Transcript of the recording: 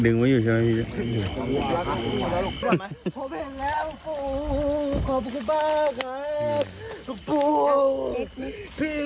ดึงไว้อยู่ช่างนี้